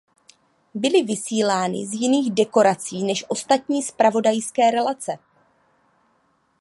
Byly vysílány z jiných dekorací než ostatní zpravodajské relace.